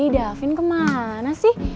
davin kemana sih